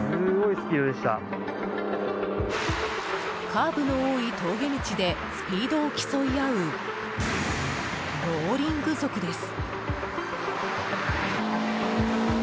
カーブの多い峠道でスピードを競い合う、ローリング族です。